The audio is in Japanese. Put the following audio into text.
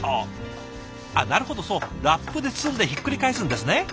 なるほどそうラップで包んでひっくり返すんですね。